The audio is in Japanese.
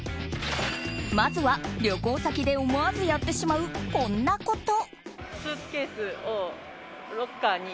まずは、旅行先で思わずやってしまうこんなこと。